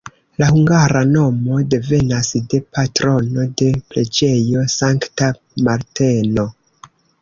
La hungara nomo devenas de patrono de preĝejo Sankta Marteno.